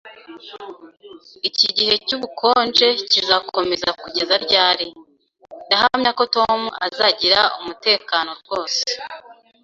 Iki gihe cyubukonje kizakomeza kugeza ryari? Ndahamya ko Tom azagira umutekano rwose